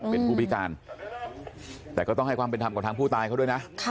เป็นผู้พิการแต่ก็ต้องให้ความเป็นธรรมกับทางผู้ตายเขาด้วยนะ